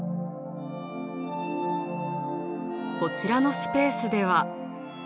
こちらのスペースでは。